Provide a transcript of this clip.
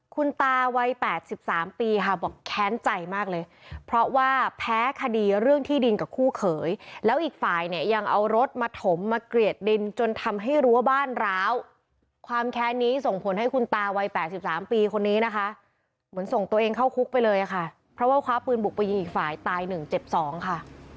คุณตาวัย๘๓ปีค่ะบอกแค้นใจมากเลยเพราะว่าแพ้คดีเรื่องที่ดินกับคู่เขยแล้วอีกฝ่ายเนี่ยยังเอารถมาถมมาเกลียดดินจนทำให้รั้วบ้านร้าวความแค้นนี้ส่งผลให้คุณตาวัย๘๓ปีคนนี้นะคะเหมือนส่งตัวเองเข้าคุกไปเลยค่ะเพราะว่าคว้าปืนบุกไปยิงอีกฝ่ายตาย๑เจ็บ๒ค่ะ